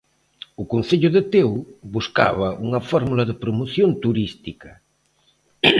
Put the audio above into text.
O Concello de Teo buscaba unha fórmula de promoción turística.